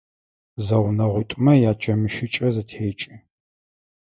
Зэгъунэгъуитӏумэ ячэмыщыкӏэ зэтекӏы.